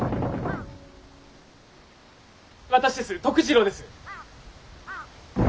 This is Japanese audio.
私です徳次郎です。